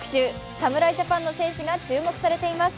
侍ジャパンの選手が注目されています。